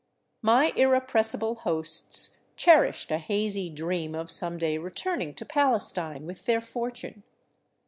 My irrepressible hosts cherished a hazy dream of some day return ing to Palestine with their fortune.